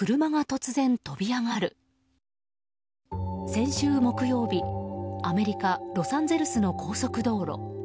先週木曜日、アメリカロサンゼルスの高速道路。